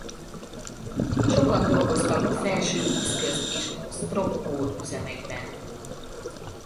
Sokan dolgoztak Felsővízköz és Sztropkó üzemeiben.